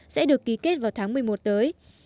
sẽ được ký kết vào tháng một mươi một tới